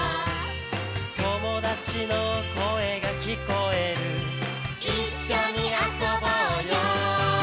「友達の声が聞こえる」「一緒に遊ぼうよ」